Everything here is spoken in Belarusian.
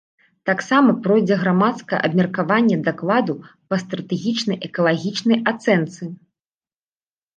Таксама пройдзе грамадскае абмеркаванне дакладу па стратэгічнай экалагічнай ацэнцы.